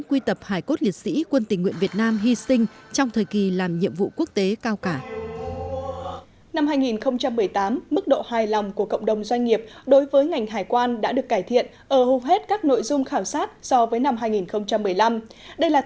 quy tập hải cốt liệt sĩ quân tình nguyện việt nam hy sinh trong thời kỳ làm nhiệm vụ quốc tế cao cả